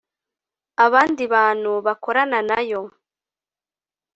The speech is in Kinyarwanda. abandi bantu bakorana na yo